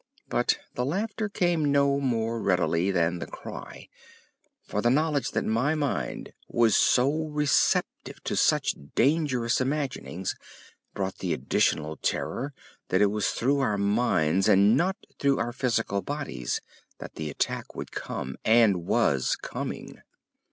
But the laughter came no more readily than the cry, for the knowledge that my mind was so receptive to such dangerous imaginings brought the additional terror that it was through our minds and not through our physical bodies that the attack would come, and was coming.